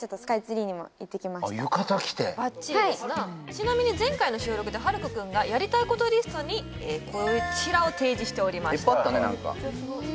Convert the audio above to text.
はいちなみに前回の収録ではるく君がやりたいことリストにこちらを提示しておりましたいっぱいあったね